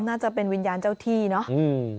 น่าจะเป็นวิญญาณเจ้าที่เนาะ